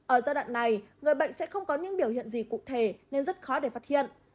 ở giai đoạn này người bệnh sẽ không có những biểu hiện gì cụ thể nên rất khó để phát hiện